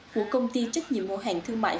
của công ty trách nhiệm hữu hàng thương mại